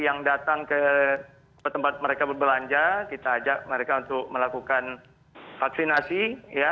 yang datang ke tempat mereka berbelanja kita ajak mereka untuk melakukan vaksinasi